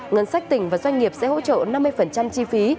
ngân sách tỉnh và doanh nghiệp sẽ hỗ trợ năm mươi chi phí